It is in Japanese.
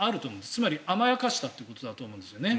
つまり、甘やかしたということだと思うんですよね。